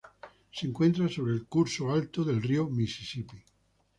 Se encuentra sobre el curso alto del río Misisipi.